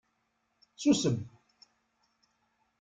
Susem!